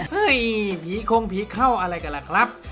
เฮ้ยพีคงพีเข้าอะไรกันครับ